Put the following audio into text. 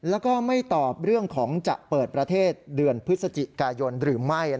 แล้วก็ไม่ตอบเรื่องของจะเปิดประเทศเดือนพฤศจิกายนหรือไม่